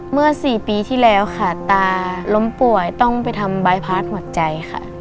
เมื่อ๔ปีที่แล้วค่ะตาล้มป่วยต้องไปทำบายพาร์ทหมดใจค่ะ